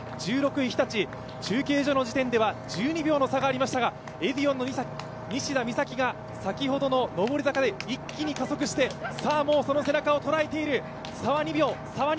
１６位日立、中継所の時点では１２秒の差がありましたが、エディオンの西田美咲が先ほどの上り坂で一気に加速してもうその背中を捉えている、差は２秒。